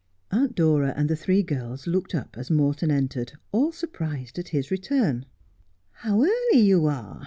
Aunt Dora and the three girls looked up as Morton entered, all surprised at his return. ' How early you are